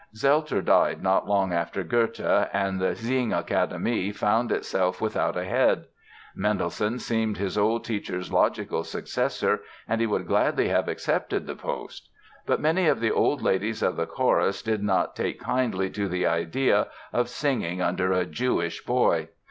Zelter died not long after Goethe and the Singakademie found itself without a head. Mendelssohn seemed his old teacher's logical successor and he would gladly have accepted the post. But many of the old ladies of the chorus did not take kindly to the idea of "singing under a Jewish boy".